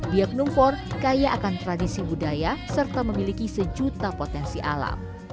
biak numfor kaya akan tradisi budaya serta memiliki sejuta potensi alam